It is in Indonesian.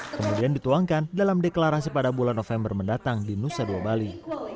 kemudian dituangkan dalam deklarasi pada bulan november mendatang di nusa dua bali